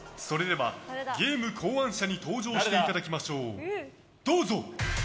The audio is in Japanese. ゲーム考案者に登場していただきましょう。